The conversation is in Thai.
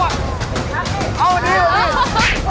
โอ้โฮโอ้โฮโอ้โฮโอ้โฮ